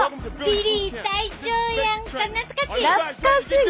ビリー隊長やんか懐かしい！